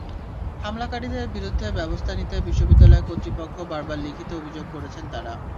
হামলাকারীদের বিরুদ্ধে ব্যবস্থা নিতে বিশ্ববিদ্যালয় কর্তৃপক্ষ বরাবর লিখিত অভিযোগ করেছেন তাঁরা।